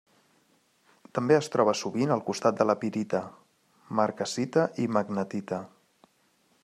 També es troba sovint al costat de la pirita, marcassita i magnetita.